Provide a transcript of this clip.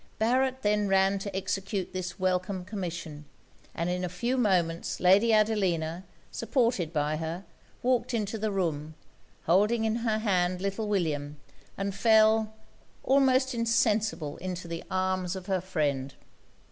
Barret then ran to execute this welcome commission, and in a few moments Lady Adelina, supported by her, walked into the room, holding in her hand little William, and fell, almost insensible, into the arms of her friend.